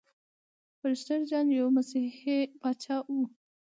پرسټر جان یو مسیحي پاچا و.